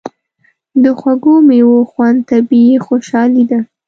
د خوږو میوو خوند طبیعي خوشالي ده.